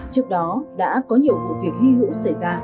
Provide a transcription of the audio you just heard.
trước đó đã có nhiều vụ việc hy hữu xảy ra